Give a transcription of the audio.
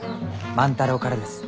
万太郎からです。